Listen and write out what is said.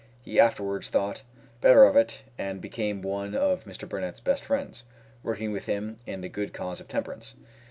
He afterwards thought better of it, and became one of Mr. Burnett's best friends, working with him in the good cause of temperance.